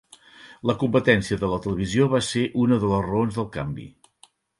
La competència de la televisió va ser una de les raons del canvi.